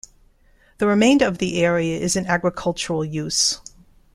The remainder of the area is in agricultural use.